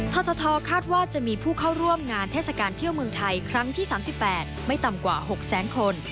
ททคาดว่าจะมีผู้เข้าร่วมงานเทศกาลเที่ยวเมืองไทยครั้งที่๓๘ไม่ต่ำกว่า๖แสนคน